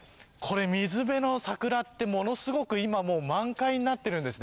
水辺の桜ってものすごく今満開になっているんです。